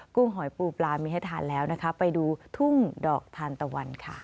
หอยปูปลามีให้ทานแล้วนะคะไปดูทุ่งดอกทานตะวันค่ะ